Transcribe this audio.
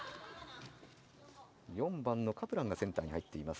４番のカプランがセンターに入っています。